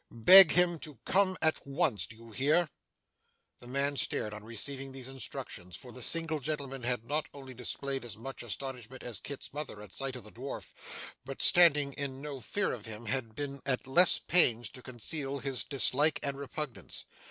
Beg him to come at once, do you hear?' The man stared on receiving these instructions, for the single gentleman had not only displayed as much astonishment as Kit's mother at sight of the dwarf, but, standing in no fear of him, had been at less pains to conceal his dislike and repugnance.